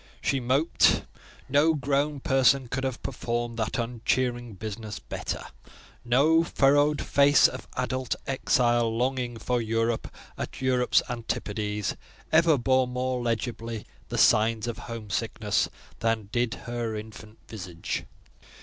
She moped: no grown person could have performed that uncheering business better; no furrowed face of adult exile, longing for Europe at Europe's antipodes, ever bore more legibly the signs of home sickness than did her infant visage.